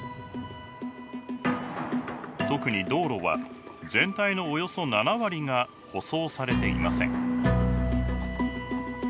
特に道路は全体のおよそ７割が舗装されていません。